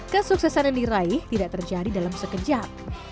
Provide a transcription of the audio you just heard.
kesuksesan yang diraih tidak terjadi dalam sekejap